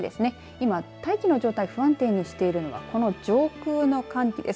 今、大気の状態不安定にしているのがこの上空の寒気です。